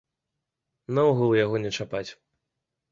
Наогул яго не чапаць.